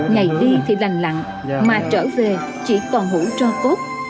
ngày đi thì lành lặng mà trở về chỉ còn hũ trò cốt